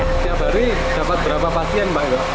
setiap hari dapat berapa pasien mbak